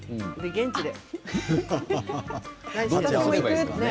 現地で。